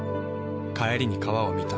帰りに川を見た。